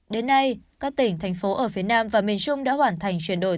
đến nay các tỉnh thành phố ở phía nam và miền trung đã hoàn thành chuyển đổi